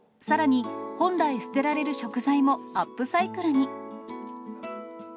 さらに、本来捨てられる食材もアップサイクルに。